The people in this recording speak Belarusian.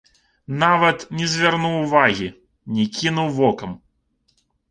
Нават не звярнуў увагі, не кінуў вокам.